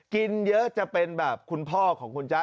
กินเยอะจะเป็นแบบคุณพ่อของคุณจ๊ะ